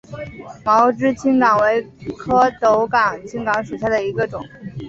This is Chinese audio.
毛枝青冈为壳斗科青冈属下的一个种。